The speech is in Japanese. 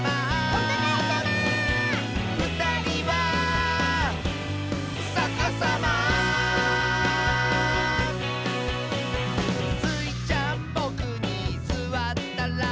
「おたがいさま」「ふたりはさかさま」「スイちゃんボクにすわったら」